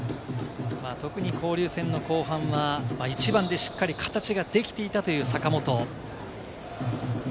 特に交流戦の後半は、１番でしっかり形ができていたという坂本。